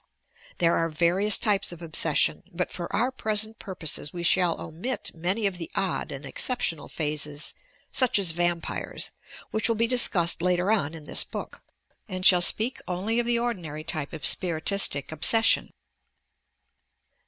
There are various types of obsession, but for our present purposes we shall omit many of the odd and exceptional phases, such as vampires, which will be discussed later on in this book, and shall speak only of the ordinary type of spiritistic obsession.